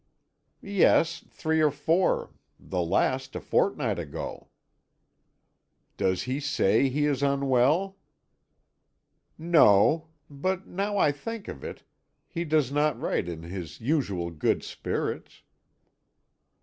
"Yes, three or four the last a fortnight ago." "Does he say he is unwell?" "No; but now I think of it, he does not write in his usual good spirits."